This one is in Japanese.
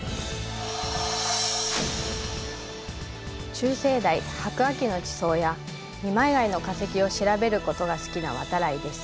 中生代白亜紀の地層や二枚貝の化石を調べることが好きな渡来です。